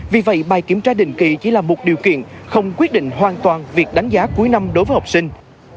vì vậy bài kiểm tra định kỳ chỉ là một điều kiện không quyết định hoàn toàn việc đánh giá cuối năm đối với học sinh